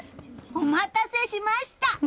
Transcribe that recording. お待たせしました！